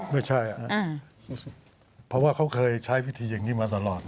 ไม่ใช่เพราะว่าเขาเคยใช้วิธีอย่างนี้มาตลอด